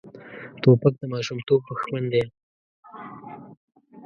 توپک د ماشومتوب دښمن دی.